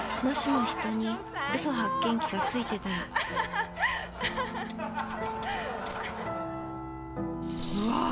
もしも人にうそ発見器がついてたら。